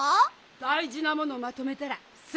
だいじなものをまとめたらすぐいくわ。